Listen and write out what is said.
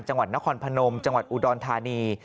จังหวัดนครพนมจังหวัดอุดรธานี